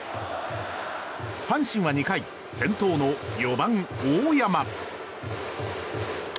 阪神は２回先頭の４番、大山。